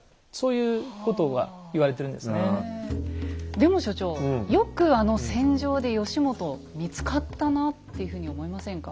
でも所長よくあの戦場で義元見つかったなっていうふうに思いませんか？